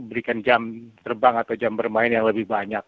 berikan jam terbang atau jam bermain yang lebih banyak